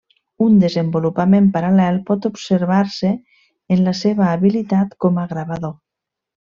Un desenvolupament paral·lel pot observar-se en la seva habilitat com a gravador.